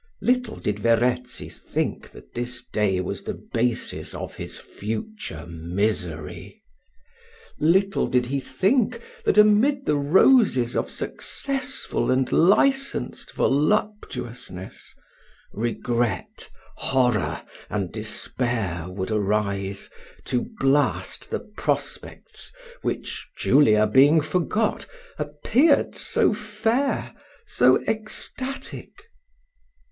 Little did Verezzi think that this day was the basis of his future misery: little did he think that, amid the roses of successful and licensed voluptuousness, regret, horror, and despair would arise, to blast the prospects which, Julia being forgot, appeared so fair, so ecstatic.